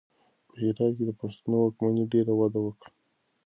په هرات کې د پښتنو واکمنۍ ډېره وده وکړه.